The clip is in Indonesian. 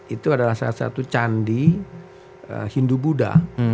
itu adalah salah satu candi hindu buddha